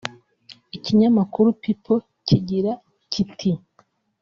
Ikinyamakuru People kigira kiti